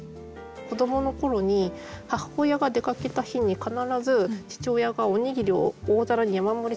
子どもの頃に母親が出かけた日に必ず父親がおにぎりを大皿に山盛り作ってくれていて。